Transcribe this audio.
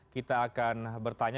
kita akan bertanya